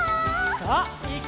さあいくよ！